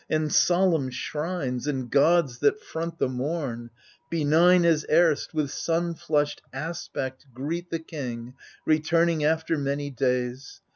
And solemn shrines, and gods that front the mom I Benign as erst, with sun flushed aspect greet The king returning after many days.